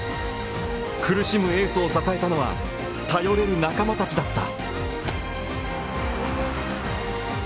苦しむエースを支えたのは頼れる仲間たちだった。